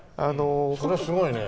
それすごいね。